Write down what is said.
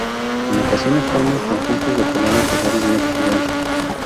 En ocasiones forman conjuntos de colonias de varios metros de ancho.